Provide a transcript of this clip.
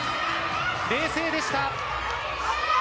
冷静でした。